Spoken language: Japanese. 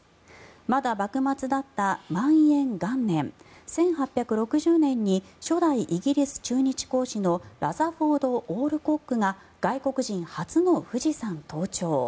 まだ幕末だった万延元年、１８６０年に初代イギリス駐日公使のラザフォード・オールコックが外国人初の富士山登頂。